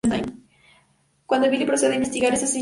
Cuando Billy procede a investigar, es asesinado.